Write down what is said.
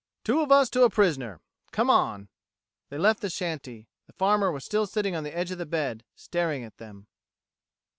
"Two of us to a prisoner. Come on." They left the shanty. The farmer was still sitting on the edge of the bed, staring at them.